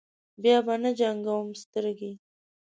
بیا به نه جنګوم سترګې.